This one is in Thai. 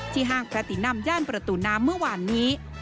ที่ห้างแพทย์นำย่านประตูน้ำเมื่อวานนี้